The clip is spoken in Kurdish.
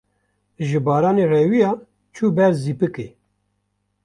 ji baranê reviya, çû ber zîpikê